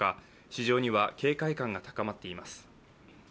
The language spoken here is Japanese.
市場には警戒感が高まっています。